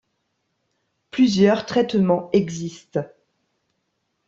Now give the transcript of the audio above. Plusieurs traitements existent.